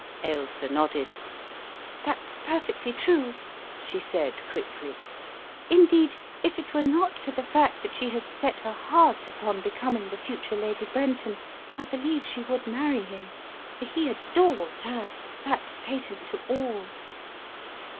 Ailsa nodded. "That's perfectly true," she said, quickly. "In deed, if it were not for the fact that she has set heir heart upon becoming the future Lady Brenton, I believe she would marry him. For he adores her; that's patent to all."